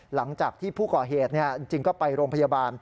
หลังจากที่ผู้ก่อเหตุจริงก็ไปโรงพยาบาล